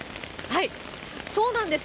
はい、そうなんです。